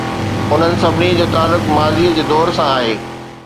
انهن سڀني جو تعلق ماضيءَ جي دور سان آهي.